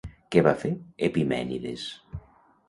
Què va fer Epimènides?